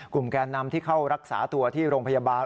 แกนนำที่เข้ารักษาตัวที่โรงพยาบาล